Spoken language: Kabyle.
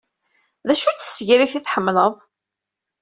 D acu-tt tsegrit ay tḥemmleḍ?